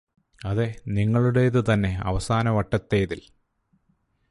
അതെ നിങ്ങളുടേതു തന്നെ അവസാന വട്ടത്തേതില്